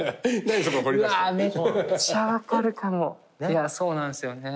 いやそうなんすよね。